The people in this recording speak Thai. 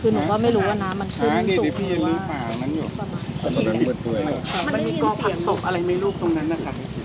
คือหนูก็ไม่รู้ว่าน้ำมันขึ้นสุขหรือว่ามันมีกรผักตกอะไรมีรูปตรงนั้นนะคะ